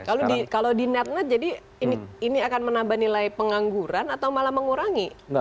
jadi di net net ini akan menambah nilai pengangguran atau malah mengurangi